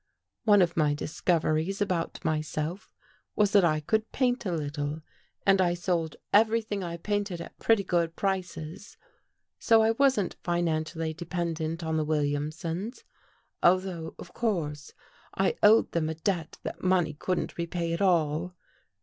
One of my discoveries about myself was that I could paint a little and I sold everything I painted at pretty good prices. So I wasn't finan cially dependent on the Williamsons, although, of course, I owed them a debt that money couldn't repay at all.